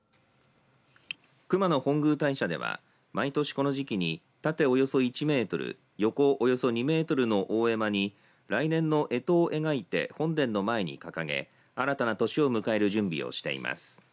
熊野本宮大社では毎年この時期に縦およそ１メートル横およそ２メートルの大絵馬に来年のえとを描いて本殿の前に掲げ、新たな年を迎える準備をしています。